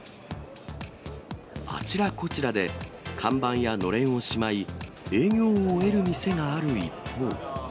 あちらこちらで看板やのれんをしまい、営業を終える店がある一方。